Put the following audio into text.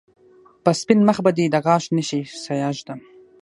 په سپين مخ به دې د غاښ نښې سياه ږدم